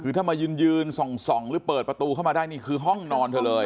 คือถ้ามายืนส่องหรือเปิดประตูเข้ามาได้นี่คือห้องนอนเธอเลย